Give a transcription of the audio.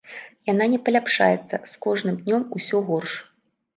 Яна не паляпшаецца, з кожным днём усё горш.